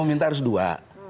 kamu minta harus dua